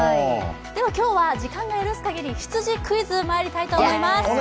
では今日は時間が許すかぎり、羊クイズ、まいりたいと思います。